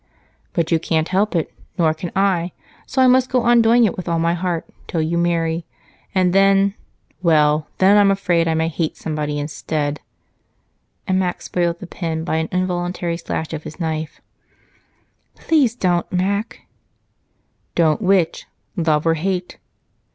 "But you can't help it, nor can I so I must go on doing it with all my heart till you marry, and then well, then I'm afraid I may hate somebody instead," and Mac spoilt the pen by an involuntary slash of his knife. "Please don't, Mac!" "Do which, love or hate?"